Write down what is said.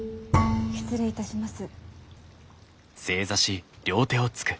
失礼いたします。